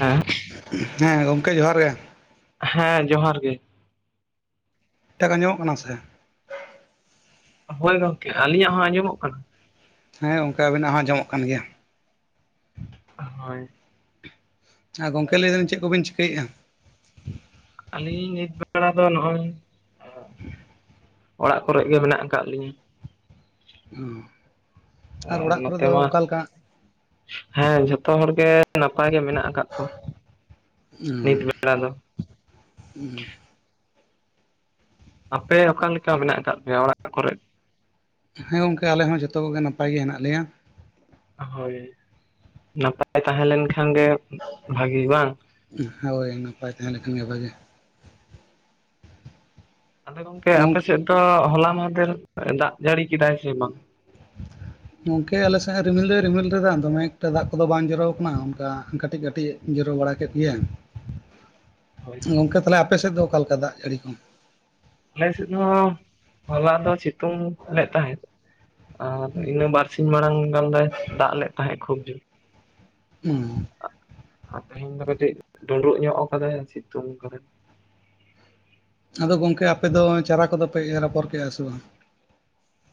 ᱦᱮᱸ ᱦᱮᱸ ᱜᱚᱝᱠᱮ ᱡᱚᱸᱦᱟᱨ ᱜᱮ᱾ ᱦᱮᱸ ᱡᱚᱸᱦᱟᱨ ᱜᱮ᱾ ᱴᱟᱠᱟ ᱟᱸᱡᱚᱢᱚᱜ ᱠᱟᱱᱟ ᱥᱮ? ᱦᱳᱭ ᱜᱚᱝᱠᱮ᱾ ᱟᱹᱞᱤᱧᱟᱜ ᱦᱚᱸ ᱟᱸᱡᱚᱢᱚᱜ ᱠᱟᱱᱟ? ᱦᱮᱸ ᱜᱚᱢᱠᱮ ᱟᱵᱤᱱᱟᱜ ᱦᱚᱸ ᱟᱸᱡᱚᱢᱚᱜ ᱠᱟᱱ ᱜᱮᱭᱟ᱾ ᱦᱳᱭ᱾ ᱟᱨ ᱜᱚᱝᱠᱮ ᱞᱟᱹᱭᱫᱟᱹᱞᱤᱧ ᱪᱮᱫ ᱠᱚᱵᱤᱱ ᱪᱤᱠᱟᱹᱭᱮᱜᱼᱟ᱾ ᱟᱹᱞᱤᱧ ᱱᱤᱛ ᱵᱮᱲᱟ ᱫᱚ ᱱᱚᱜ-ᱚᱭ ᱚᱲᱟᱜ ᱠᱚᱨᱮᱜ ᱜᱮ ᱢᱮᱱᱟᱜ ᱟᱠᱟᱫ ᱞᱤᱧᱟᱹ᱾ ᱚ᱾ ᱟᱨ ᱱᱚᱛᱮ ᱢᱟ᱾ ᱦᱮᱸ ᱡᱚᱛᱚ ᱦᱚᱲ ᱜᱮ ᱱᱟᱯᱟᱭ ᱜᱮ ᱢᱮᱱᱟᱜ ᱟᱠᱟᱫ ᱠᱚᱣᱟ᱾ ᱱᱤᱛ ᱵᱮᱲᱟ ᱫᱚ [unintelligible] ᱟᱯᱮ ᱚᱠᱟᱞᱮᱠᱟ ᱢᱮᱱᱟᱜ ᱟᱠᱟᱫ ᱯᱮᱭᱟ ᱚᱲᱟᱜ ᱠᱚᱨᱮᱜ? ᱦᱮᱸ ᱜᱚᱝᱠᱮ ᱟᱞᱮ ᱦᱚᱸ ᱡᱚᱛᱚ ᱠᱚᱜᱮ ᱱᱟᱯᱟᱭ ᱜᱮ ᱦᱮᱱᱟᱜ ᱞᱮᱭᱟ᱾ ᱦᱳᱭ᱾ ᱱᱟᱯᱟᱭ ᱛᱟᱦᱮᱸ ᱞᱮᱱ ᱠᱷᱟᱱ ᱜᱮ ᱵᱷᱟᱜᱤ ᱵᱟᱝ? ᱦᱳᱭ ᱱᱟᱯᱟᱭ ᱛᱟᱦᱮᱸ ᱞᱮᱱᱠᱷᱟᱱ ᱜᱮ ᱵᱷᱟᱜᱮ᱾ ᱟᱫᱚ ᱜᱚᱝᱠᱮ ᱟᱯᱮ ᱜᱚᱢᱠᱮ ᱥᱮᱫ ᱫᱚ ᱦᱚᱞᱟ ᱢᱟᱦᱫᱷᱮᱨ ᱫᱟᱜ ᱡᱟᱹᱲᱤ ᱠᱮᱫᱟᱭ ᱥᱮ ᱵᱟᱝ? ᱜᱚᱢᱠᱮ ᱟᱞᱮ ᱥᱮᱫ ᱨᱤᱢᱤᱞ ᱫᱚᱭ ᱨᱤᱢᱤᱞ ᱨᱮᱫᱟ ᱫᱚᱢᱮ ᱮᱠᱴᱟ ᱫᱟᱜ ᱠᱚᱫᱚ ᱵᱟᱝ ᱡᱚᱨᱚᱣ ᱟᱠᱟᱱᱟ ᱚᱱᱠᱟ ᱠᱟᱹᱴᱤᱡ ᱠᱟᱹᱴᱤᱡ ᱡᱚᱨᱚ ᱵᱟᱲᱟ ᱠᱮᱫ ᱜᱮᱭᱟ᱾ [inaudible] ᱜᱚᱝᱠᱮ ᱛᱟᱦᱚᱞᱮ ᱟᱯᱮ ᱥᱮᱫ ᱫᱚ ᱚᱠᱟ ᱞᱮᱠᱟ ᱫᱟᱜ ᱡᱟᱹᱲᱤ ᱠᱚ? ᱟᱞᱮ ᱥᱮᱫ ᱦᱚᱸ ᱦᱚᱞᱟ ᱫᱚ ᱥᱤᱛᱩᱝ ᱞᱮᱫ ᱛᱟᱦᱮᱸᱫ ᱟᱨ ᱤᱱᱟᱹ ᱵᱟᱨ ᱥᱤᱧ ᱢᱟᱲᱟᱝ ᱜᱟᱱ ᱫᱚᱭ ᱫᱟᱜ ᱞᱮᱫ ᱛᱟᱦᱮᱸᱫ ᱠᱷᱩᱵ ᱡᱳᱨ᱾ ᱩᱸ᱾ ᱟᱨ ᱛᱮᱦᱮᱧ ᱫᱚ ᱠᱟᱹᱴᱤᱡ ᱰᱩᱱᱰᱩᱜ ᱧᱚᱜ ᱠᱟᱫᱟᱭ ᱥᱤᱛᱩᱝ ᱠᱟᱫᱟ᱾ ᱟᱫᱚ ᱜᱚᱝᱠᱮ ᱟᱯᱮ ᱫᱚ ᱪᱟᱨᱟ ᱠᱚᱫᱚ ᱯᱮ ᱮᱨ ᱟᱯᱷᱚᱨ ᱠᱮᱫ-ᱟ ᱥᱮ ᱵᱟᱝ?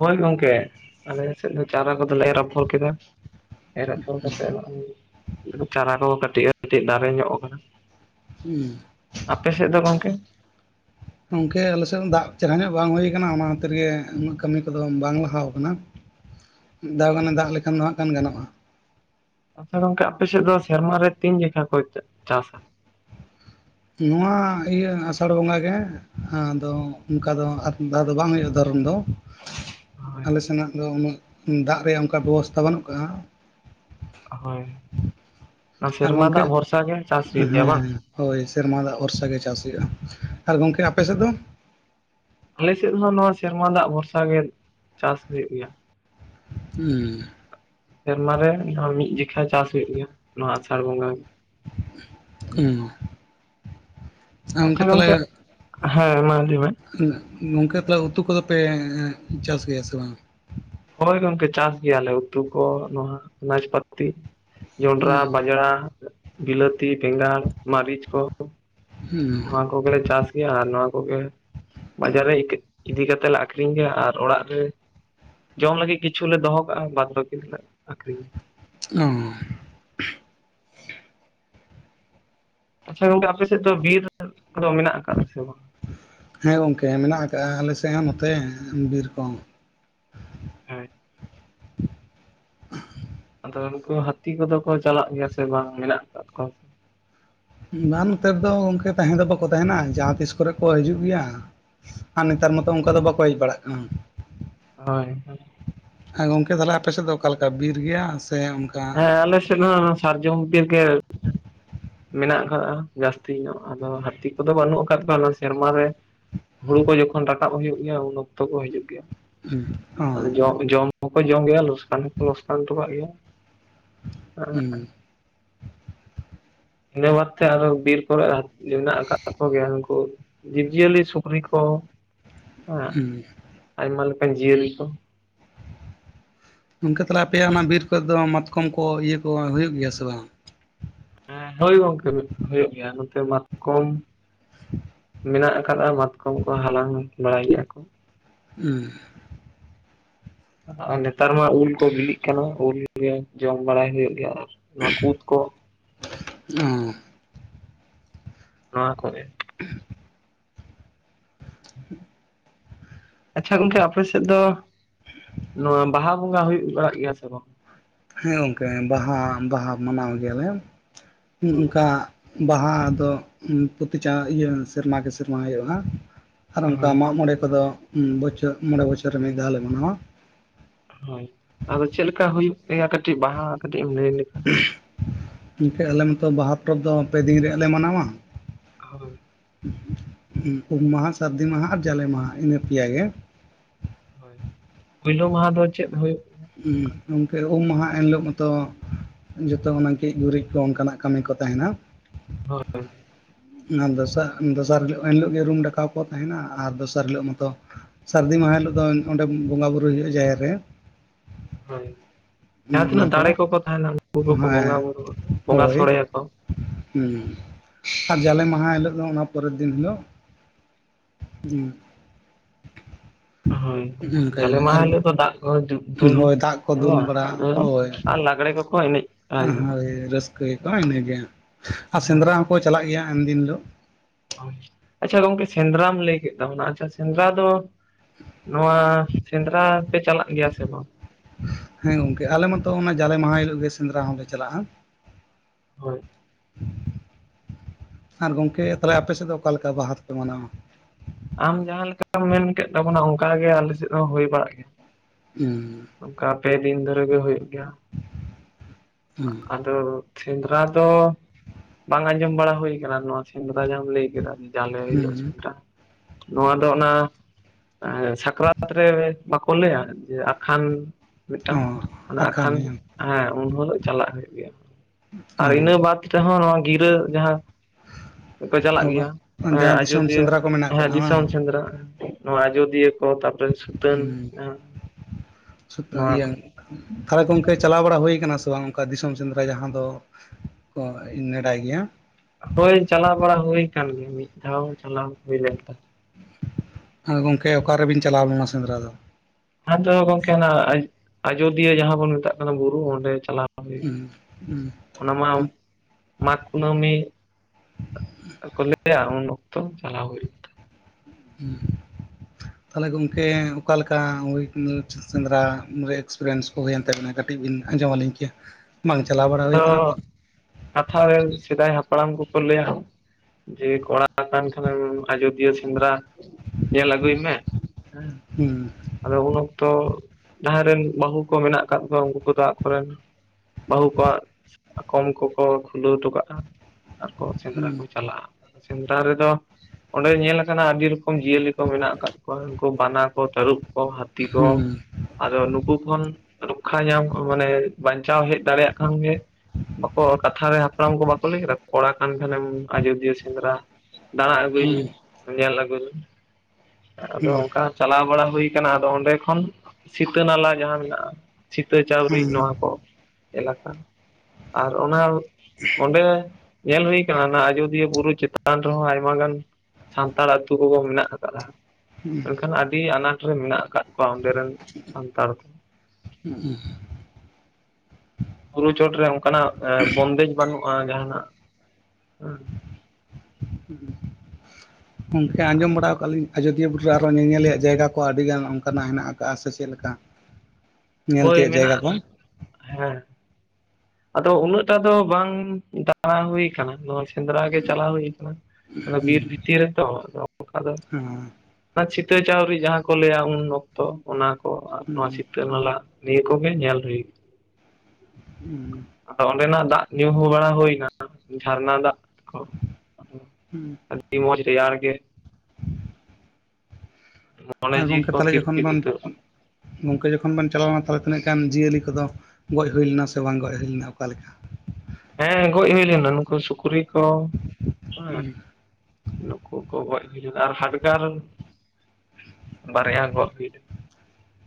ᱦᱳᱭ ᱜᱚᱢᱠᱮ ᱟᱞᱮ ᱥᱮᱫ ᱫᱚ ᱪᱟᱨᱟ ᱠᱚᱫᱚᱞᱮ ᱮᱨ ᱟᱯᱷᱚᱨ ᱠᱮᱫᱟ᱾ ᱮᱨ ᱟᱯᱷᱚᱨ ᱠᱟᱛᱮᱜ ᱱᱚᱜ-ᱚᱭ ᱪᱟᱨᱟ ᱠᱚ ᱠᱟᱹᱴᱤᱡ ᱠᱟᱹᱴᱤᱡ ᱫᱟᱨᱮ ᱧᱚᱜ ᱟᱠᱟᱱᱟ᱾ ᱦᱩᱸ ᱟᱯᱮ ᱥᱮᱫ ᱫᱚ ᱜᱚᱝᱠᱮ? ᱜᱚᱝᱠᱮ ᱟᱞᱮᱥᱮᱫ ᱫᱚ ᱫᱟᱜ ᱪᱮᱨᱦᱟ ᱧᱚᱜ ᱵᱟᱝ ᱦᱩᱭ ᱟᱠᱟᱱᱟ ᱚᱱᱟ ᱠᱷᱟᱹᱛᱤᱨ ᱜᱮ ᱩᱱᱟᱹᱜ ᱠᱟᱹᱢᱤ ᱠᱚᱫᱚ ᱵᱟᱝ ᱞᱟᱦᱟᱣ ᱠᱟᱱᱟ᱾ [inaudible] ᱢᱤᱫ ᱫᱷᱟᱣ ᱜᱟᱱᱮ ᱫᱟᱜ ᱞᱮᱠᱷᱟᱱ ᱫᱚ ᱦᱟᱸᱜ ᱠᱷᱟᱱ ᱜᱟᱱᱚᱜᱼᱟ᱾ ᱟᱪᱪᱷᱟ ᱜᱚᱝᱠᱮ ᱟᱯᱮ ᱥᱮᱫ ᱫᱚ ᱥᱮᱨᱢᱟ ᱨᱮ ᱛᱤᱱ ᱡᱚᱠᱷᱟ ᱠᱚ ᱪᱟ ᱪᱟᱥᱟ? ᱱᱚᱣᱟ ᱤᱭᱟᱹ ᱟᱥᱟᱲ ᱵᱚᱸᱜᱟ ᱜᱮ, ᱟᱫᱚ ᱚᱱᱠᱟ ᱫᱚ ᱟᱨ ᱢᱤᱫ ᱫᱷᱟᱣ ᱫᱚ ᱵᱟᱝ ᱦᱩᱭᱩᱜ-ᱟ ᱫᱷᱚᱨᱚᱱ ᱫᱚ᱾ ᱦᱳᱭ ᱟᱞᱮ ᱥᱮᱱᱟᱜ ᱫᱚ ᱩᱱᱟᱹᱜ ᱫᱟᱜ ᱨᱮᱭᱟᱜ ᱚᱱᱠᱟ ᱵᱮᱵᱚᱥᱛᱟ ᱵᱟᱹᱱᱩᱜ ᱠᱟᱜ-ᱟ᱾ ᱦᱳᱭ ᱚᱱᱟ ᱟᱨ ᱥᱮᱨᱢᱟ ᱜᱚᱝᱠᱮ ᱫᱟᱜ ᱵᱷᱚᱨᱥᱟ ᱜᱮ ᱪᱟᱥ ᱦᱩᱭᱩᱜ ᱜᱮᱭᱟ ᱵᱟᱝ? ᱦᱮᱸ ᱦᱳᱭ ᱥᱮᱨᱢᱟ ᱫᱟᱜ ᱵᱷᱚᱨᱥᱟ ᱜᱮ ᱪᱟᱥ ᱦᱩᱭᱩᱜ-ᱟ, ᱟᱨ ᱜᱚᱝᱠᱮ ᱟᱯᱮ ᱥᱮᱫ ᱫᱚ? ᱟᱞᱮ ᱥᱮᱫ ᱨᱮᱢᱟ ᱱᱚᱣᱟ ᱥᱮᱨᱢᱟ ᱫᱟᱜ ᱵᱷᱚᱨᱥᱟ ᱜᱮ ᱪᱟᱥ ᱦᱩᱭᱩᱜ ᱜᱮᱭᱟ᱾ ᱦᱩᱸ᱾ ᱥᱮᱨᱢᱟᱨ ᱨᱮ ᱱᱚᱣᱟ ᱢᱤᱫ ᱡᱮᱠᱷᱟ ᱪᱟᱥ ᱦᱩᱭᱩᱜ ᱜᱮᱭᱟ, ᱱᱚᱣᱟ ᱟᱥᱟᱲ ᱵᱚᱸᱜᱟ ᱜᱮ᱾ ᱦᱩᱸ ᱟᱨ ᱜᱚᱝᱠᱮ ᱛᱟᱞᱦᱮ ᱦᱮᱸ ᱢᱟ ᱞᱟᱹᱭ ᱢᱮ ᱜᱚᱝᱠᱮ ᱛᱟᱦᱚᱞᱮ ᱩᱛᱩ ᱠᱚᱫᱚ ᱯᱮ ᱮᱸ ᱪᱟᱥ ᱜᱮᱭᱟ ᱥᱮ ᱵᱟᱝ? ᱦᱳᱭ ᱜᱚᱝᱠᱮ ᱪᱟᱥ ᱜᱮᱭᱟᱞᱮ ᱩᱛᱩ ᱠᱚ ᱱᱚᱣᱟ ᱟᱱᱟᱡ ᱯᱟᱛᱤ᱾ ᱡᱚᱸᱰᱨᱟ, ᱦᱩᱸ ᱵᱟᱡᱽᱲᱟ, ᱵᱤᱞᱟᱹᱛᱤ ᱵᱮᱸᱜᱟᱲ, ᱢᱟᱨᱤᱪ ᱠᱚ᱾ ᱦᱩᱸ ᱱᱚᱣᱟ ᱠᱚᱜᱮ ᱞᱮ ᱪᱟᱥ ᱜᱮᱭᱟᱢ ᱟᱨ ᱱᱚᱣᱟ ᱠᱚᱜᱮ ᱵᱟᱡᱟᱨ ᱨᱮ ᱤᱫᱤ ᱠᱟᱛᱮ ᱞᱮ ᱟᱠᱷᱨᱤᱧ ᱜᱮᱭᱟ, ᱟᱨ ᱚᱲᱟᱜ ᱨᱮ ᱡᱚᱢ ᱞᱟᱹᱜᱤᱫ ᱠᱤᱪᱷᱩ ᱞᱮ ᱫᱚᱦᱚ ᱠᱟᱜ-ᱟ, ᱵᱟᱫ ᱵᱟᱠᱤ ᱞᱮ ᱟᱹᱠᱷᱨᱤᱧᱟ᱾ ᱚ᱾ ᱟᱪᱪᱷᱟ ᱜᱚᱝᱠᱮ ᱟᱯᱮ ᱥᱮᱫ ᱫᱚ ᱵᱤᱨ ᱠᱚᱫᱚ ᱢᱮᱱᱟᱜ ᱠᱟᱜ-ᱟ ᱥᱮ ᱵᱟᱝ? ᱦᱮᱸ ᱜᱚᱝᱠᱮ ᱢᱮᱱᱟᱜ ᱠᱟᱜ-ᱟ ᱟᱞᱮ ᱥᱮᱫ ᱦᱚᱸ ᱱᱚᱛᱮ ᱵᱤᱨ ᱠᱚᱦᱚᱸ᱾ ᱦᱳᱭ ᱟᱫᱚ ᱱᱩᱠᱩ ᱦᱟᱹᱛᱤ ᱠᱚᱫᱚ ᱠᱚ ᱪᱟᱞᱟᱜ ᱜᱮᱭᱟ ᱥᱮ ᱵᱟᱝ ᱢᱮᱱᱟᱜ ᱟᱠᱟᱫ ᱠᱚᱣᱟ ᱵᱟᱝ ᱱᱚᱛᱮ ᱨᱮᱫᱚ ᱜᱚᱝᱠᱮ ᱛᱟᱦᱮᱸ ᱫᱚ ᱵᱟᱠᱚ ᱛᱟᱦᱮᱱᱟ ᱡᱟᱦᱟᱸ ᱛᱤᱥ ᱠᱚᱨᱮ ᱠᱚ ᱦᱤᱡᱩᱜ ᱜᱮᱭᱟ᱾ ᱟᱨ ᱱᱮᱛᱟᱨ ᱢᱚᱛᱚ ᱚᱱᱠᱟ ᱫᱚ ᱵᱟᱠᱚ ᱦᱮᱡ ᱵᱟᱲᱟᱜ ᱠᱟᱱᱟ᱾ ᱦᱳᱭ ᱦᱳᱭ᱾ ᱦᱮᱸ ᱜᱚᱝᱠᱮ ᱛᱟᱞᱦᱮ ᱟᱯᱮ ᱥᱮᱫ ᱫᱚ ᱚᱠᱟ ᱞᱮᱠᱟ? ᱵᱤᱨ ᱜᱮᱭᱟ ᱥᱮ ᱚᱱᱠᱟ ᱦᱮᱸ ᱟᱞᱮ ᱥᱮᱫ ᱦᱚᱸ ᱥᱟᱨᱡᱚᱢ ᱵᱤᱨ ᱜᱮ ᱢᱮᱱᱟᱜ ᱠᱟᱜ-ᱟ ᱡᱟᱹᱥᱛᱤ ᱧᱚᱜ, ᱟᱫᱚ ᱦᱟᱹᱛᱤ ᱠᱚᱫᱚ ᱵᱟᱹᱱᱩᱜ ᱟᱠᱟᱫ ᱠᱚᱣᱟ ᱱᱚᱣᱟ ᱥᱮᱨᱢᱟᱨ ᱨᱮ ᱦᱩᱲᱩ ᱠᱚ ᱡᱚᱠᱷᱚᱱ ᱨᱟᱠᱟᱵ ᱦᱩᱭᱩᱜ ᱜᱮᱭᱟ ᱩᱱ ᱚᱠᱛᱚ ᱠᱚ ᱦᱤᱡᱩᱜ ᱜᱮᱭᱟ᱾ ᱚ ᱟᱫᱚ ᱡᱚᱜ ᱡᱚᱢ ᱦᱚᱸᱠᱚ ᱡᱚᱢ ᱜᱮᱭᱟ ᱞᱚᱥᱠᱟᱱ ᱦᱚᱸᱠᱚ ᱞᱚᱥᱠᱟᱱ ᱦᱚᱴᱚ ᱠᱟᱜ ᱜᱮᱭᱟ᱾ ᱦᱩᱸ᱾ ᱤᱱᱟᱹ ᱵᱟᱫᱛᱮ ᱟᱫᱚ ᱵᱤᱨ ᱠᱚᱨᱮ ᱦᱟ ᱢᱮᱱᱟᱜ ᱟᱠᱟᱫ ᱛᱟᱠᱚ ᱜᱮᱭᱟ ᱩᱱᱠᱩ ᱡᱤᱵᱽ ᱡᱤᱭᱟᱹᱞᱤ ᱥᱩᱠᱨᱤ ᱠᱚ ᱦᱮᱸ ᱦᱩᱸ ᱟᱭᱢᱟ ᱞᱮᱠᱟᱱ ᱡᱤᱭᱟᱹᱞᱤ ᱠᱚ᱾ ᱜᱚᱝᱠᱮ ᱛᱟᱞᱦᱮ ᱟᱯᱮᱭᱟᱜ ᱚᱱᱟ ᱵᱤᱨ ᱠᱚᱨᱮ ᱫᱚ ᱢᱟᱛᱠᱚᱢ ᱠᱚ ᱤᱭᱟᱹ ᱠᱚ ᱦᱩᱭᱩᱜ ᱜᱮᱭᱟ ᱥᱮ ᱵᱟᱝ? ᱦᱮᱸ ᱦᱳᱭ ᱜᱚᱝᱠᱮ ᱦᱩᱭᱩᱜ ᱜᱮᱭᱟ ᱱᱚᱛᱮ ᱢᱟᱛᱠᱚᱢ ᱢᱮᱱᱟᱜ ᱠᱟᱫᱟ ᱢᱟᱛᱠᱚᱢ ᱠᱚ ᱦᱟᱞᱟᱝ ᱵᱟᱲᱟᱭ ᱜᱮᱭᱟ ᱠᱚ᱾ ᱩ᱾ ᱟᱨ ᱱᱮᱛᱟᱨ ᱢᱟ ᱩᱞ ᱠᱚ ᱵᱤᱞᱤᱜ ᱠᱟᱱᱟ ᱩᱞ ᱜᱮ ᱡᱚᱢ ᱵᱟᱲᱟᱭ ᱦᱩᱭᱩᱜ ᱜᱮᱭᱟ ᱟᱨ ᱱᱚᱣᱟ ᱠᱩᱫ ᱠᱚ᱾ ᱚ᱾ ᱱᱚᱣᱟ ᱠᱚᱨᱮ᱾ [inaudible] [inaudible] ᱟᱪᱪᱷᱟ ᱜᱚᱝᱠᱮ ᱟᱯᱮ ᱥᱮᱫ ᱫᱚ, ᱱᱚᱣᱟ ᱵᱟᱦᱟ ᱵᱚᱸᱜᱟ ᱦᱩᱭᱩᱜ ᱵᱟᱲᱟᱜ ᱜᱮᱭᱟ ᱥᱮ ᱵᱟᱝ? ᱦᱮᱸ ᱜᱚᱝᱠᱮ ᱵᱟᱦᱟ ᱵᱟᱦᱟ ᱢᱟᱱᱟᱣ ᱜᱮᱭᱟ ᱞᱮ ᱦᱩ ᱚᱱᱠᱟ ᱵᱟᱦᱟ ᱫᱚ ᱯᱚᱛᱤ ᱪᱟ ᱤᱭᱟᱹ ᱥᱮᱨᱢᱮ ᱠᱮ ᱥᱮᱨᱢᱟ ᱦᱩᱭᱩᱜᱼᱟ᱾ ᱟᱨ ᱚᱱᱠᱟ ᱦᱳᱭ ᱢᱟᱜ ᱢᱚᱬᱮ ᱠᱚᱫᱚ ᱵᱚᱪᱷᱚ ᱢᱚᱬᱮ ᱵᱚᱪᱷᱚᱨ ᱨᱮ ᱢᱤᱫ ᱫᱷᱟᱣ ᱞᱮ ᱢᱟᱱᱟᱣᱟ᱾ ᱦᱳᱭ, ᱟᱫᱚ ᱪᱮᱫ ᱞᱮᱠᱟ ᱦᱩᱭᱩᱜ ᱜᱮᱭᱟ ᱠᱟᱹᱴᱤᱡ ᱵᱟᱦᱟ ᱠᱟᱹᱴᱤᱡ ᱮᱢ ᱞᱟᱹᱭ ᱞᱮᱠᱷᱟᱱ᱾ ᱜᱚᱝᱠᱮ ᱟᱞᱮ ᱢᱟᱛᱚ ᱵᱟᱦᱟ ᱯᱚᱨᱚᱵᱽ ᱫᱚ ᱯᱮ ᱫᱤᱱ ᱨᱮᱭᱟᱜ ᱞᱮ ᱢᱟᱱᱟᱣᱟ᱾ ᱦᱳᱭ, ᱩᱢ ᱢᱟᱦᱟ ᱥᱟᱹᱨᱫᱤ ᱢᱟᱦᱟ ᱟᱨ ᱡᱟᱞᱮ ᱢᱟᱦᱟ ᱤᱱᱟᱹ ᱯᱮᱭᱟ ᱜᱮ, ᱯᱩᱭᱞᱳ ᱢᱟᱦᱟ ᱫᱚ ᱪᱮᱫ ᱦᱩᱭᱩᱜ ᱚᱱᱠᱟ? ᱩᱸ ᱚᱱᱛᱮ ᱩᱢ ᱢᱟᱦᱟ ᱮᱱᱦᱤᱞᱳᱜ ᱢᱟᱛᱚ᱾ ᱡᱚᱛᱚ ᱚᱱᱟ ᱜᱮᱡ ᱜᱩᱨᱤᱡ ᱠᱚ ᱚᱱᱠᱟᱱᱟᱜ ᱠᱟᱹᱢᱤ ᱠᱚ ᱛᱟᱦᱮᱸᱱᱟ᱾ ᱦᱳᱭ ᱟᱨ ᱫᱚᱥᱟ ᱫᱚᱥᱟᱨ ᱦᱤᱞᱳᱜ ᱮᱱᱦᱤᱞᱳᱜ ᱜᱮ ᱨᱩᱢ ᱴᱟᱠᱟᱣ ᱠᱚ ᱛᱟᱦᱮᱱᱟ ᱟᱨ ᱫᱚᱥᱟᱨ ᱦᱤᱞᱳᱜ ᱢᱟᱚᱛᱚ᱾ ᱥᱟᱹᱨᱫᱤ ᱢᱟᱦᱟ ᱦᱤᱞᱳᱜ ᱫᱚ ᱚᱸᱰᱮ ᱵᱚᱸᱜᱟ ᱵᱩᱨᱩᱳ ᱦᱩᱭᱩᱜᱼᱟ ᱡᱟᱦᱮᱨ ᱨᱮ᱾ ᱦᱳᱭ ᱡᱟᱦᱟᱸ ᱚᱱᱟ ᱛᱤᱱᱟᱹᱜ ᱠᱚ ᱫᱟᱲᱮ ᱠᱚᱠᱚ ᱛᱟᱦᱮᱹᱱᱟ ᱩᱱᱠᱩ ᱠᱚᱠᱚ ᱵᱚᱸᱜᱟ ᱦᱮᱸ ᱵᱩᱨᱩ ᱵᱚᱸᱜᱟ ᱦᱳᱭ ᱥᱳᱲᱮ ᱭᱟᱠᱚ, ᱦᱩᱸ ᱟᱨ ᱡᱟᱞᱮ ᱢᱟᱦᱟ ᱦᱤᱞᱳᱜ ᱫᱚ ᱚᱱᱟ ᱯᱚᱨᱮᱨ ᱫᱤᱱ ᱦᱤᱞᱳᱜ, ᱦᱩᱸ ᱦᱳᱭ ᱡᱟᱞᱮ ᱢᱟᱦᱟ ᱟᱨ ᱦᱤᱞᱳᱜ ᱫᱚ ᱫᱟᱜ ᱠᱚ ᱦᱤᱫᱩᱜ ᱦᱳᱭ ᱫᱟᱜ ᱠᱚ ᱫᱩᱞ ᱵᱟᱲᱟ ᱦᱳᱭ ᱟᱨ ᱞᱟᱜᱽᱲᱮ ᱠᱚᱠᱚ ᱮᱱᱮᱡ ᱟᱸᱡᱚᱢᱚᱜ ᱦᱳᱭ ᱨᱟᱹᱥᱠᱟᱹ ᱭᱟᱠᱚ ᱤᱱᱟᱹᱜᱮ, ᱟᱨ ᱦᱳᱭ ᱥᱮᱸᱫᱽᱨᱟ ᱦᱚᱸᱠᱚ ᱪᱟᱞᱟᱜ ᱜᱮᱭᱟ ᱮᱱᱫᱤᱱ ᱫᱚ᱾ ᱟᱪᱪᱷᱟ ᱜᱚᱢᱠᱮ ᱥᱮᱸᱫᱽᱨᱟᱢ ᱞᱟᱹᱭ ᱠᱮᱫ ᱛᱟᱵᱚᱱᱟ ᱟᱪᱪᱷᱟ ᱥᱮᱸᱫᱽᱨᱟ ᱫᱚ᱾ ᱱᱚᱣᱟ ᱥᱮᱸᱫᱽᱨᱟ ᱯᱮ ᱪᱟᱞᱟᱜ ᱜᱮᱭᱟ ᱥᱮ ᱵᱟᱝ, ᱦᱮᱸ ᱜᱚᱝᱠᱮ ᱟᱞᱮ ᱢᱟᱛᱚ ᱚᱱᱟ ᱡᱟᱞᱮ ᱢᱟᱦᱟ ᱦᱤᱞᱳᱜ ᱜᱮ ᱥᱮᱸᱫᱽᱨᱟ ᱦᱚᱸᱞᱮ ᱪᱟᱞᱟᱜᱼᱟ, ᱦᱳᱭ, ᱟᱨ ᱜᱚᱝᱠᱮ ᱛᱟᱦᱚᱞᱮ ᱟᱯᱮ ᱥᱮᱫ ᱫᱚ ᱚᱠᱟᱞᱮᱠᱟ ᱵᱟᱦᱟ ᱫᱚᱯᱮ ᱢᱟᱱᱟᱣᱟ, ᱟᱢ ᱡᱟᱦᱟᱸ ᱞᱮᱠᱟᱢ ᱢᱮᱱ ᱠᱮᱫ ᱛᱟᱵᱚᱱᱟ ᱚᱱᱠᱟᱜ ᱜᱮ ᱟᱞᱮ ᱥᱮᱫ ᱦᱚᱸ ᱦᱩᱭ ᱵᱟᱲᱟᱜ ᱜᱮᱭᱟ, ᱩᱸᱻ ᱚᱱᱠᱟ ᱯᱮ ᱫᱤᱱ ᱫᱷᱚᱨ ᱜᱮ ᱦᱩᱭ ᱜᱮᱭᱟ, ᱦᱩᱸ ᱟᱫᱚ ᱥᱮᱸᱫᱽᱨᱟ ᱫᱚ ᱵᱟᱝ ᱟᱸᱡᱚᱢ ᱵᱟᱲᱟ ᱦᱩᱭ ᱠᱟᱱᱟ ᱱᱚᱣᱟ ᱥᱮᱸᱫᱽᱨᱟ ᱡᱟᱸᱦᱟᱢ ᱞᱟᱹᱭ ᱠᱮᱫᱟ, ᱡᱟᱞᱮ ᱦᱤᱞᱳᱜ ᱦᱩᱸ ᱥᱮᱸᱫᱽᱨᱟ᱾ ᱱᱚᱣᱟ ᱫᱚ ᱚᱱᱟ ᱥᱟᱠᱨᱟᱛ ᱨᱮ ᱵᱟᱠᱚ ᱞᱟᱹᱭᱟ ᱡᱮ ᱟᱠᱷᱟᱱ, ᱚ ᱢᱤᱫᱴᱟᱝ ᱚᱱᱮ ᱟᱠᱠᱷᱟᱱ ᱦᱮᱸ ᱩᱱ ᱦᱤᱞᱳᱜ ᱪᱟᱞᱟᱜ ᱦᱩᱭᱩᱜ ᱜᱮᱭᱟ ᱟᱨ ᱤᱱᱟᱹ ᱵᱟᱫ ᱛᱮᱦᱚᱸ ᱱᱚᱣᱟ ᱜᱤᱨᱟᱹ ᱡᱟᱦᱟᱸ ᱠᱚ ᱪᱟᱞᱟᱜ ᱚ ᱜᱮᱭᱟ ᱦᱮᱸ ᱡᱟᱦᱟᱸ ᱫᱤᱥᱚᱢ ᱟᱡᱚᱫᱤᱭᱟᱹ ᱥᱮᱸᱫᱽᱨᱟ ᱠᱚ ᱢᱮᱱᱟᱜ ᱦᱮᱸ ᱠᱟᱜᱼᱟ ᱵᱟᱝ ᱫᱤᱥᱚᱢ ᱥᱮᱸᱫᱽᱨᱟ, ᱱᱚᱣᱟ ᱟᱡᱚᱫᱤᱭᱟᱹ ᱠᱚ ᱛᱟᱯᱚᱨᱮ ᱥᱩᱛᱟᱹᱱ ᱡᱟᱦᱟᱸ᱾ ᱛᱟᱦᱞᱮ ᱤᱭᱟᱹ ᱛᱟᱦᱚᱞᱮ ᱜᱚᱢᱠᱮ ᱪᱟᱞᱟᱣ ᱵᱟᱲᱟ ᱦᱩᱭ ᱠᱟᱱᱟ ᱥᱮ ᱵᱟᱝ ᱚᱱᱠᱟ ᱫᱤᱥᱚᱢ ᱥᱮᱸᱫᱽᱨᱟ ᱡᱟᱦᱟᱸ ᱫᱚ, ᱠᱚ ᱱᱮᱰᱟᱭ ᱜᱮᱭᱟ? ᱦᱳᱭ ᱪᱟᱞᱟᱣ ᱵᱟᱲᱟ ᱦᱩᱭ ᱟᱠᱟᱱ ᱜᱮᱭᱟ ᱢᱤᱫ ᱫᱷᱟᱣ ᱪᱟᱞᱟᱣ ᱦᱩᱭ ᱞᱮᱱ ᱛᱟᱦᱮᱸ᱾ ᱟᱨ ᱜᱚᱢᱠᱮ ᱚᱠᱟ ᱨᱮᱵᱤᱱ ᱪᱟᱞᱟᱣ ᱞᱮᱱᱟ ᱥᱮᱸᱫᱽᱨᱟ ᱫᱚ? ᱟᱫᱚ ᱜᱚᱝᱠᱮ ᱚᱱᱟ ᱟᱡᱚᱫᱤᱭᱟᱹ ᱡᱟᱦᱟᱸ ᱵᱚᱱ ᱢᱮᱛᱟᱜ ᱠᱟᱱᱟ ᱵᱩᱨᱩ ᱚᱸᱰᱮ ᱪᱟᱞᱟᱣ ᱦᱩᱭ ᱩᱸ ᱩᱸ ᱚᱱᱟ ᱢᱟ ᱢᱟᱜᱽ ᱠᱩᱱᱟᱹᱢᱤ, ᱠᱚ ᱞᱟᱹᱭᱟ ᱩᱱ ᱚᱠᱛᱚ ᱪᱟᱞᱟᱣ ᱦᱩᱭ ᱦᱩᱸ ᱛᱟᱦᱞᱮ ᱜᱚᱝᱠᱮ ᱚᱠᱟ ᱞᱮᱠᱟ ᱥᱮᱸᱫᱽᱨᱟ ᱮᱠᱥᱯᱨᱤᱭᱮᱱᱥ᱾ ᱦᱩᱭᱮᱱ ᱛᱟᱵᱤᱱᱟ ᱠᱟᱹᱴᱤᱡ ᱵᱤᱱ ᱟᱸᱡᱚᱢ ᱟᱹᱞᱤᱧ ᱠᱮᱭᱟ? [unintelligible] ᱵᱟᱝ ᱪᱟᱞᱟᱣ ᱵᱟᱲᱟ ᱦᱩᱭ ᱟᱫᱚ ᱠᱟᱱᱟ ᱛᱚ᱾ ᱠᱟᱛᱷᱟ ᱨᱮ ᱥᱮᱫᱟᱭ ᱦᱟᱯᱲᱟᱢ ᱠᱚᱠᱚ ᱞᱟᱹᱭᱟ, ᱡᱮ ᱠᱚᱲᱟ ᱠᱟᱱ [unintelligible] ᱠᱷᱟᱱᱮᱢ ᱟᱡᱚᱫᱤᱭᱟᱹ ᱥᱮᱸᱫᱽᱨᱟ ᱧᱮᱞ ᱟᱹᱜᱩᱭ ᱦᱸ ᱢᱮ ᱦᱮᱸ ᱦᱮᱸ [inaudible] ᱟᱫᱚ ᱩᱱ ᱚᱠᱛᱚ ᱡᱟᱦᱟᱸᱭ ᱨᱮᱱ ᱵᱟᱹᱦᱩ ᱠᱚ ᱢᱮᱱᱟᱜ ᱟᱠᱟᱫ ᱠᱚᱣᱟ ᱩᱱᱠᱩ ᱠᱚᱫᱚ ᱟᱠᱚᱨᱮᱱ ᱵᱟᱹᱦᱩ ᱠᱚᱣᱟᱜ ᱥᱟᱠᱚᱢ ᱠᱚᱠᱚ ᱠᱷᱩᱞᱟᱹᱣ ᱦᱚᱴᱚ ᱠᱟᱜᱼᱟ, ᱟᱨ ᱠᱚ ᱥᱮᱸᱫᱽᱨᱟ ᱦᱩᱸ ᱠᱚ ᱪᱟᱞᱟᱜᱼᱟ ᱾ᱥᱮᱸᱫᱽᱨᱟ ᱨᱮᱫᱚ ᱚᱸᱰᱮ ᱧᱮᱞ ᱟᱠᱟᱱᱟ ᱟᱹᱰᱤ ᱨᱚᱠᱚᱢ ᱡᱤᱭᱟᱹᱞᱤ ᱠᱚ ᱢᱮᱱᱟᱜ ᱟᱠᱟᱫ ᱠᱚᱣᱟ᱾ᱩᱱᱠᱩ ᱵᱟᱱᱟ ᱠᱚ, ᱛᱟᱹᱨᱩᱵ ᱠᱚ, ᱦᱟᱹᱛᱤ ᱠᱚ, ᱦᱩᱸ ᱟᱫᱚ ᱱᱩᱠᱩ ᱠᱷᱚᱱ ᱨᱚᱠᱠᱷᱟ ᱧᱟᱢ ᱢᱟᱱᱮ ᱵᱟᱧᱪᱟᱣ ᱦᱮᱡ ᱫᱟᱲᱮᱭᱟᱜ ᱠᱷᱟᱱ ᱜᱮ, ᱵᱟᱠᱚ ᱠᱟᱛᱷᱟ ᱨᱮ ᱦᱟᱯᱲᱟᱢ ᱠᱚ ᱵᱟᱠᱚ ᱞᱟᱹᱭ ᱠᱮᱫᱟ, ᱠᱚᱲᱟ ᱠᱟᱱ ᱠᱷᱟᱱᱮᱢ ᱟᱡᱚᱫᱤᱭᱟᱹ ᱥᱮᱸᱫᱽᱨᱟ ᱫᱟᱬᱟ ᱟᱹᱜᱩᱭ ᱦᱩᱸ ᱢᱮ ᱧᱮᱞ ᱟᱹᱜᱩᱭ ᱢᱮ ᱟᱫᱚ ᱦᱩᱸ ᱚᱱᱠᱟ ᱪᱟᱞᱟᱣ ᱵᱟᱲᱟ ᱦᱩᱭ ᱟᱫᱚ ᱚᱸᱰᱮ ᱠᱷᱚᱱ ᱥᱤᱛᱟᱹ ᱱᱟᱞᱟ ᱡᱟᱦᱟᱸ ᱢᱮᱱᱟᱜᱼᱟ ᱥᱤᱛᱟᱹ ᱦᱩᱸ ᱪᱟᱣᱨᱤᱡ ᱱᱚᱣᱟ ᱠᱚ ᱮᱞᱟᱠᱟ ᱟᱨ ᱚᱱᱟ ᱚᱸᱰᱮ ᱧᱮᱞ ᱦᱩᱭ ᱠᱟᱱᱟ ᱟᱡᱳᱫᱤᱭᱟᱹ ᱵᱩᱨᱩ ᱪᱮᱛᱟᱱ ᱪᱮᱛᱟᱱ ᱨᱮᱦᱚᱸ ᱟᱭᱢᱟ ᱜᱟᱱ ᱥᱟᱱᱛᱟᱲ ᱟᱹᱛᱩ ᱠᱚᱠᱚ ᱢᱮᱱᱟᱜ ᱟᱠᱟᱫᱟᱼᱟ ᱾ᱢᱮᱱᱠᱷᱟᱱ ᱟᱹᱰᱤ ᱟᱱᱟᱴ ᱨᱮ [unintelligible] ᱢᱮᱱᱟᱜ ᱟᱠᱟᱫ ᱠᱚᱣᱟ ᱚᱸᱰᱮ ᱨᱮᱱ ᱥᱟᱱᱛᱟᱲ ᱠᱚ᱾ ᱦ [inaudible] ᱵᱩᱨᱩ ᱪᱚᱴᱨᱮ ᱚᱱᱠᱟᱱᱟᱜ ᱵᱚᱱᱫᱮᱡᱽ ᱵᱟᱹᱱᱩᱜᱼᱟ ᱡᱟᱦᱟᱱᱟᱜ ᱦᱸ [unintelligible] ᱦᱩᱸ [inaudible] ᱜᱚᱢᱠᱮ ᱟᱸᱡᱚᱢ ᱵᱟᱲᱟ ᱠᱟᱜ ᱞᱤᱧ ᱟᱡᱚᱫᱤᱭᱟᱹ ᱵᱩᱨᱩ ᱨᱮ ᱟᱨᱚ ᱧᱮᱧᱮᱞᱟᱜ ᱡᱟᱭᱜᱟ ᱠᱚ ᱟᱹᱰᱤ ᱜᱟᱱ ᱚᱱᱠᱟᱱᱟᱜ ᱦᱮᱱᱟᱜ ᱚᱠᱟ ᱥᱮ ᱪᱮᱫ ᱞᱮᱠᱟ? ᱧᱮᱞ ᱦᱳᱭ ᱛᱮᱭᱟᱜ ᱢᱮᱱᱟᱜ ᱡᱟᱭᱜᱟ ᱠᱚ ᱟᱠᱟᱫᱟ᱾ᱦᱮᱸ, ᱟᱫᱚ ᱩᱱᱟᱹᱜᱴᱟ ᱫᱚ ᱵᱟᱝ ᱫᱟᱬᱟ ᱦᱩᱭ ᱟᱠᱟᱱᱟ ᱱᱚᱣᱟ [unintelligible] ᱥᱮᱸᱫᱽᱨᱟ ᱜᱮ ᱪᱟᱞᱟᱣ ᱦᱩᱭ ᱠᱟᱱᱟ ᱾ᱟᱫᱚ ᱵᱤᱨ ᱵᱷᱤᱛᱤᱨ ᱨᱮ ᱛᱚ ᱚᱱᱠᱟ ᱫᱚ ᱚᱱᱟ ᱥᱤᱛᱟᱹ ᱪᱟᱣᱨᱤᱡ ᱡᱟᱦᱟᱸ ᱠᱚ ᱞᱟᱹᱭᱟ ᱩᱱ ᱚᱠᱛᱚ ᱚᱱᱟ ᱠᱚ ᱟᱨ ᱱᱚᱣᱟ ᱥᱤᱛᱟᱹ ᱱᱟᱞᱟ ᱱᱤᱭᱟᱹ ᱠᱚᱜᱮ ᱧᱮᱞ ᱦᱩᱭ ᱦᱮᱸ [unintelligible] ᱟᱫᱚ ᱚᱸᱰᱮᱱᱟᱜ ᱫᱟᱜ ᱧᱩ ᱦᱚᱸ ᱵᱟᱲᱟ ᱦᱩᱭᱱᱟ ᱡᱷᱟᱨᱱᱟ ᱫᱟᱜ ᱠᱚ ᱦᱩᱸ, ᱟᱹᱰᱤ ᱢᱚᱸᱡᱽ ᱨᱮᱭᱟᱲ ᱜᱮ᱾ ᱢᱚᱱᱮ ᱟᱨ ᱡᱤᱣᱤ ᱜᱚᱝᱠᱮ ᱠᱚ ᱛᱟᱦᱚᱞᱮ ᱡᱚᱠᱷᱚᱱ ᱛᱤᱨᱯᱤᱫ ᱵᱚᱱ ᱩᱛᱟᱹᱨᱚᱜᱼᱟ ᱜᱚᱝᱠᱮ ᱡᱚᱠᱷᱚᱱ ᱵᱚᱱ ᱪᱟᱞᱟᱣᱱᱟ ᱛᱟᱦᱚᱞᱮ ᱛᱤᱱᱟᱹᱜ ᱜᱟᱱ ᱡᱤᱭᱟᱹᱞᱤ ᱠᱚᱫᱚ ᱜᱚᱡ ᱦᱩᱭ ᱞᱮᱱᱟ ᱥᱮ ᱵᱟᱝ ᱜᱚᱡ ᱦᱩᱭ ᱞᱮᱱᱟ ᱚᱠᱟ ᱞᱮᱠᱟ? ᱦᱮᱸ, ᱜᱚᱡ ᱦᱩᱭ ᱞᱮᱱᱟ ᱱᱩᱠᱩ ᱥᱩᱠᱨᱤ ᱠᱚ ᱦᱮᱸ, ᱱᱩᱠᱩ ᱠᱚ ᱜᱚᱡ ᱦᱩᱭ ᱞᱮᱱᱟ ᱟᱨ ᱦᱟᱰᱜᱟᱨ ᱵᱟᱨᱭᱟ ᱜᱚ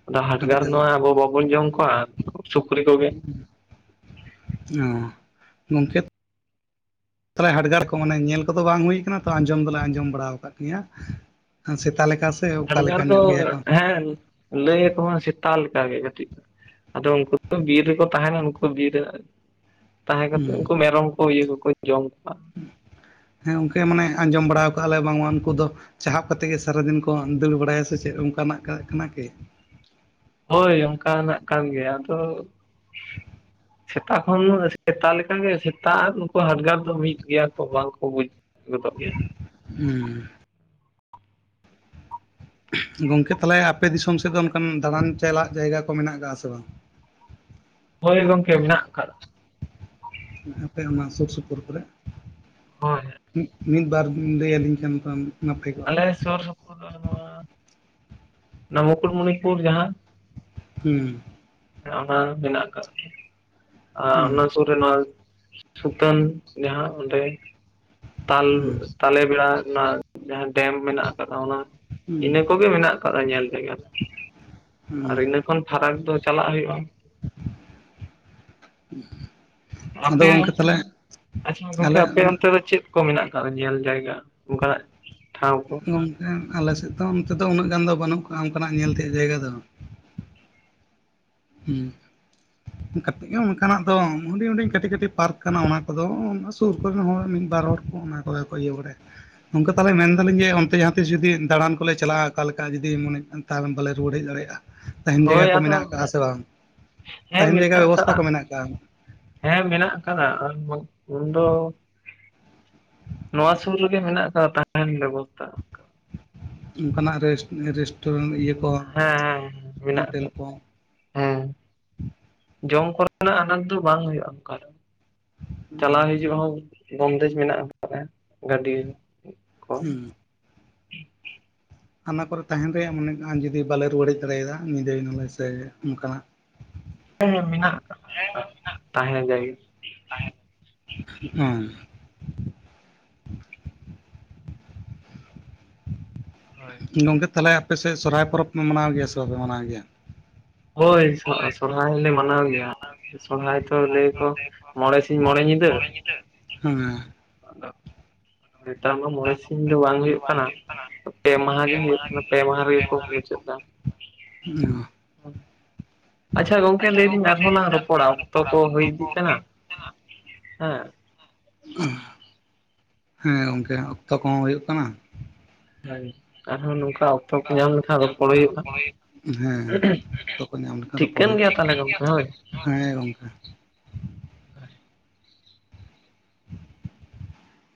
ᱟᱫᱚ ᱟᱹᱰᱤ ᱦᱟᱰᱜᱟᱨ ᱜᱟᱱ ᱢᱟ ᱟᱵᱚ ᱵᱟᱵᱚᱱ ᱡᱚᱢ ᱠᱚᱣᱟ ᱥᱩᱠᱨᱤ ᱠᱚᱜᱮ᱾ ᱚ ᱜᱚᱝᱠᱮ [unintelligible] ᱛᱟᱦᱮᱸ ᱦᱟᱰᱜᱟᱨ ᱠᱚ ᱢᱟᱱᱮ ᱧᱮᱞ ᱠᱚᱫᱚ ᱵᱟᱝ ᱦᱩᱭ ᱠᱟᱱᱟ ᱛᱚ ᱟᱸᱡᱚᱢ ᱫᱚᱞᱮ ᱟᱸᱡᱚᱢ ᱵᱟᱲᱟ ᱟᱠᱟᱫ ᱜᱮᱭᱟ᱾ ᱥᱮᱛᱟ ᱞᱮᱠᱟ ᱥᱮ ᱚᱠᱟ ᱞᱮᱠᱟ ᱧᱚᱜ ᱜᱮᱭᱟ ᱠᱚ ᱞᱟᱹᱭ ᱟᱠᱚ ᱦᱟᱜ ᱥᱮᱛᱟ ᱞᱮᱠᱟ ᱜᱮ ᱠᱟᱹᱴᱤᱡ ᱟᱫᱚ ᱩᱱᱠᱩ ᱵᱤᱨ ᱨᱮᱠᱚ ᱛᱟᱦᱮᱱᱟ ᱱᱩᱠᱩ ᱵᱤᱨ ᱨᱮ ᱛᱟᱦᱮᱸ ᱠᱟᱛᱮᱫ ᱦᱩᱸ ᱩᱱᱠᱩ ᱢᱮᱨᱚᱢ ᱠᱚ ᱤᱭᱟᱹ ᱠᱚᱠᱚ ᱡᱚᱢ ᱠᱚᱣᱟ ᱦᱮᱸ ᱜᱚᱝᱱᱠᱮ ᱢᱟᱱᱮ ᱟᱸᱡᱚᱢ ᱵᱟᱲᱟ ᱠᱟᱜ ᱟᱞᱮ ᱵᱟᱝᱢᱟ ᱩᱱᱠᱩ ᱫᱚ ᱪᱟᱦᱟᱯ ᱠᱟᱛᱮ ᱜᱮ ᱥᱟᱨᱟᱫᱤᱱ ᱠᱚ ᱫᱟᱹᱲ ᱵᱟᱲᱟᱭᱟ ᱥᱮ ᱪᱮᱫ ᱚᱱᱠᱟᱱᱟᱜ ᱠᱟᱱᱟ ᱠᱤ ᱦᱳᱭ ᱚᱱᱠᱟᱱᱟᱜ ᱠᱟᱱ ᱜᱮᱭᱟ ᱟᱫᱚ ᱥᱮᱛᱟ ᱠᱷᱚᱱ ᱥᱮᱛᱟ ᱞᱮᱠᱟᱜᱮ ᱥᱮᱛᱟ ᱟᱨ ᱱᱩᱠᱩ ᱦᱟᱰᱜᱟᱨ ᱫᱚ ᱢᱤᱫ ᱜᱮᱭᱟ ᱠᱚ ᱵᱟᱝᱠᱚ ᱵᱩᱡ ᱢᱮᱛᱟᱜ ᱜᱮ ᱦᱩᱸ ᱜᱚᱝᱠᱮ ᱛᱟᱦᱚᱞᱮ ᱟᱯᱮ ᱫᱤᱥᱚᱢ ᱥᱮᱫ ᱫᱚ ᱚᱱᱠᱟᱱ ᱫᱟᱬᱟᱱ ᱪᱟᱞᱟᱜ ᱡᱟᱭᱜᱟ ᱠᱚ ᱢᱮᱱᱟᱜ ᱟᱠᱟᱜ ᱟ ᱥᱮ ᱵᱟᱝ? ᱦᱳᱭ ᱜᱚᱝᱠᱮ ᱢᱮᱱᱟᱜ ᱠᱟᱜ ᱟᱯᱮ ᱚᱱᱟ ᱥᱩᱨ ᱥᱩᱯᱩᱨ ᱠᱚᱨᱮ ᱦᱳᱭ [inaudible] ᱢᱤᱫ ᱵᱟᱨ ᱞᱟᱹᱭᱟᱞᱤᱧ ᱠᱟᱱ᱾ ᱟᱞᱮ ᱥᱩᱨ ᱥᱩᱯᱩᱨ ᱫᱚ ᱱᱚᱣᱟ ᱢᱩᱠᱩᱴᱢᱩᱱᱤᱯᱩᱨ ᱡᱟᱦᱟᱸ᱾ ᱦᱩᱸ ᱚᱱᱟ [inaudible] ᱢᱮᱱᱟᱜ ᱟᱠᱟᱫ [inaudible] ᱟᱨ ᱦᱩᱸ ᱚᱱᱟ ᱥᱩᱨ ᱱᱚᱣᱟ ᱥᱩᱛᱟᱹᱱ ᱡᱟᱦᱟᱸ ᱚᱸᱰᱮ ᱛᱟᱞ ᱦᱩᱸ ᱛᱟᱞᱮ ᱵᱮᱲᱟ᱾ ᱚᱱᱟ ᱡᱟᱦᱟᱸ ᱰᱮᱢ ᱢᱮᱱᱟᱜ ᱟᱠᱟᱫᱟ ᱚᱱᱟ ᱦᱩᱸ ᱤᱱᱟᱹ ᱠᱚᱜᱮ ᱢᱮᱱᱟᱜ ᱟᱠᱟᱫᱟ ᱧᱮᱞ ᱡᱟᱭᱜᱟ᱾ ᱟᱨ ᱦᱩᱸ ᱤᱱᱟᱹ ᱠᱷᱚᱱ ᱯᱷᱟᱨᱟᱠ ᱫᱚ ᱪᱟᱞᱟᱜ ᱦᱩᱭᱩᱜᱼᱟ᱾ [unintelligible] ᱟᱫᱚ ᱟᱯᱮ ᱜᱚᱝᱠᱮ ᱚᱱᱛᱮ ᱛᱟᱦᱚᱞᱮ ᱫᱚ ᱟᱪᱪᱷᱟ ᱜᱚᱝᱠᱮ ᱟᱞᱮ ᱟᱯᱮ ᱚᱱᱛᱮ ᱫᱚ ᱪᱮᱫ? ᱠᱚ ᱢᱮᱱᱟᱜ ᱟᱠᱟᱜ ᱧᱮᱞ ᱡᱟᱭᱜᱟ ᱚᱱᱠᱟᱱᱟᱜ ᱴᱷᱟᱶ ᱠᱚ ᱜᱚᱝᱠᱮ ᱟᱞᱮᱥᱮᱫ ᱫᱚ ᱚᱱᱛᱮ ᱫᱚ ᱩᱱᱟᱹᱜ ᱜᱟᱱ ᱫᱚ ᱵᱟᱹᱱᱩᱜ ᱠᱚᱣᱟ ᱚᱱᱠᱟᱱᱟᱜ ᱧᱮᱞ ᱛᱮᱭᱟᱜ ᱡᱟᱭᱜᱟ ᱫᱚ᱾ ᱦᱩᱸ [inaudible] ᱜᱮ ᱚᱱᱠᱟᱱᱟᱜ ᱫᱚ ᱦᱩᱰᱤᱧ ᱦᱩᱰᱤᱧ ᱠᱟᱹᱴᱤᱡᱼ ᱠᱟᱹᱴᱤᱡ ᱯᱟᱨᱠ ᱠᱟᱱᱟ ᱚᱱᱟ ᱠᱚᱫᱚ᱾ ᱥᱩᱨ ᱠᱚᱨᱮᱱ ᱦᱚᱲ ᱢᱤᱫ ᱵᱟᱨ ᱦᱚᱲ ᱠᱚ ᱚᱱᱟ ᱠᱚᱨᱮ ᱠᱚ ᱤᱭᱟᱹ ᱵᱟᱲᱟᱭᱟ᱾ ᱜᱚᱝᱠᱟ ᱛᱟᱦᱚᱞᱮ ᱢᱮᱱᱫᱟᱞᱤᱧ ᱡᱮ ᱚᱱᱛᱮ ᱡᱟᱦᱟᱸ ᱛᱤᱥ ᱡᱩᱫᱤ ᱫᱟᱬᱟᱱ ᱠᱚᱞᱮ ᱪᱟᱞᱟᱜᱼᱟ ᱚᱠᱟ ᱞᱮᱠᱟ ᱡᱩᱫᱤ ᱢᱟᱱᱮ ᱛᱟᱦᱚᱞᱮ ᱵᱟᱞᱮ ᱨᱩᱣᱟᱹᱲ ᱦᱮᱡ ᱫᱟᱲᱮᱭᱟᱜᱼᱟ᱾ ᱛᱟᱦᱮᱱ ᱡᱟᱭᱜᱟ ᱦᱳᱭ ᱠᱚ ᱢᱮᱱᱟᱜ ᱟᱫᱚ ᱠᱟᱜᱼᱟ ᱥᱮ ᱵᱟᱝ ᱦᱮᱸ ᱛᱟᱦᱮᱱ ᱢᱮᱱᱟᱜ ᱡᱟᱭᱜᱟ ᱟᱠᱟᱫᱟ ᱵᱮᱵᱚᱥᱛᱷᱟ ᱠᱚ ᱢᱮᱱᱟᱜ ᱟᱠᱟᱫᱼᱟ᱾ ᱦᱮᱸ ᱢᱮᱱᱟᱜ ᱟᱠᱟᱫᱟ ᱩᱱᱫᱚ ᱱᱚᱣᱟ ᱥᱩᱨ ᱨᱮᱜᱮ ᱢᱮᱱᱟᱜ ᱟᱠᱟᱫ ᱛᱟᱦᱮᱱ ᱵᱮᱵᱚᱥᱛᱟ᱾ ᱚᱱᱠᱟᱱᱟᱜ ᱨᱮᱥ ᱨᱮᱥᱴᱩᱨᱮᱱᱴ ᱤᱭᱟᱹ ᱠᱚ ᱦᱮᱸ ᱦᱮᱸ ᱢᱮᱱᱟᱜ ᱦᱳᱴᱮᱞ ᱟᱠᱟᱫ ᱠᱚ ᱦᱮᱸ ᱡᱚᱢ ᱠᱚᱨᱮᱱᱟᱜ ᱟᱱᱟᱴ ᱫᱚ ᱵᱟᱝ ᱦᱩᱭᱩᱜᱼᱟ ᱚᱱᱠᱟ ᱫᱚ᱾ ᱪᱟᱞᱟᱣ ᱦᱩᱸ ᱦᱤᱡᱩᱜ ᱦᱚᱸ ᱵᱚᱱᱫᱮᱡᱽ ᱢᱮᱱᱟᱜ ᱟᱠᱟᱫ ᱜᱟᱹᱰᱤ ᱠᱚ ᱦᱩᱸ ᱦᱟᱱᱟ ᱠᱚᱨᱮ ᱛᱟᱦᱮᱱ ᱨᱮᱭᱟᱜ ᱢᱟᱱᱮ ᱡᱩᱫᱤ ᱵᱟᱞᱮ ᱨᱩᱣᱟᱹᱲ ᱦᱮᱡ ᱫᱟᱲᱮᱭᱟᱫᱟ ᱧᱤᱫᱟᱹᱭ ᱱᱟᱞᱮ ᱥᱮ ᱚᱱᱠᱟᱱᱟᱜ ᱮ ᱢᱮᱱᱟᱜ ᱟᱠᱟᱫᱼᱟ ᱚᱱᱠᱟ ᱛᱟᱦᱮ ᱞᱟᱜᱤᱫ [inaudible] ᱜᱚᱝᱠᱮ ᱛᱟᱦᱚᱞᱮ ᱟᱯᱮ ᱥᱮᱫ ᱥᱚᱨᱦᱟᱭ ᱯᱚᱨᱚᱵᱽ ᱯᱮ ᱢᱟᱱᱟᱣ ᱜᱮᱭᱟ ᱥᱮ ᱵᱟᱯᱮ ᱢᱟᱱᱟᱣ ᱜᱮᱭᱟ᱾ ᱦᱳᱭ ᱥᱚᱨᱦᱟᱭ ᱞᱮ ᱢᱟᱱᱟᱣ ᱜᱮᱭᱟ ᱥᱚᱨᱦᱟᱭ ᱫᱚ ᱞᱟᱹᱭᱟ ᱠᱚ ᱢᱚᱬᱮ ᱥᱤᱧ ᱢᱚᱬᱮ ᱧᱤᱫᱟᱹ᱾ ᱦᱮᱸ ᱟᱫᱚ ᱱᱮᱛᱟᱨ ᱢᱟ ᱢᱚᱬᱮ ᱥᱤᱧ ᱫᱚ ᱵᱟᱝ ᱦᱩᱭᱩᱜ ᱠᱟᱱᱟ᱾ ᱯᱮ ᱢᱟᱦᱟ ᱜᱮ ᱦᱩᱭᱩᱜ ᱠᱟᱱᱟ ᱯᱮ ᱢᱟᱦᱟ ᱨᱮᱜᱮ ᱠᱚ ᱢᱩᱪᱟᱹᱫ ᱮᱫᱟ᱾ ᱚ ᱟᱪᱪᱷᱟ ᱜᱚᱝᱠᱮ ᱞᱟᱹᱭᱫᱟᱹᱧ ᱟᱨᱦᱚᱸ ᱞᱟᱝ ᱨᱚᱯᱚᱲᱟ ᱚᱠᱛᱚ ᱠᱚ ᱦᱩᱭ ᱤᱫᱤᱜ ᱠᱟᱱᱟ᱾ ᱦᱮᱸ ᱦᱮᱸ ᱜᱚᱝᱠᱮ ᱚᱠᱛᱚ ᱠᱚᱦᱚᱸ ᱦᱩᱭᱩᱜ ᱠᱟᱱᱟ᱾ ᱦᱮ ᱟᱨᱦᱚᱸ ᱱᱚᱝᱠᱟ ᱚᱠᱛᱚ ᱠᱚ ᱧᱟᱢ ᱞᱮᱠᱷᱟᱱ ᱨᱚᱯᱚᱲ ᱦᱩᱭᱩᱜᱼᱟ [unintelligible] ᱦᱮᱸ ᱚᱠᱛᱚ ᱠᱚ ᱧᱟᱢ ᱞᱮᱠᱷᱟᱱ ᱨᱚᱯᱚᱲ ᱴᱷᱤᱠᱟᱹᱱ ᱦᱩᱭᱩᱜᱼᱟ᱾ ᱜᱮᱭᱟ ᱛᱟᱦᱚᱞᱮ ᱜᱚᱝᱠᱮ ᱦᱳᱭ [unintelligible] ᱦᱮᱸ ᱜᱚᱝᱠᱮ᱾ [inaudible]